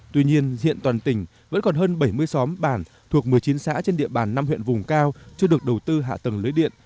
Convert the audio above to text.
tuy nhiên hiện toàn tỉnh vẫn còn hơn bảy mươi xóm bản thuộc một mươi chín xã trên địa bàn năm huyện vùng cao chưa được đầu tư hạ tầng lưới điện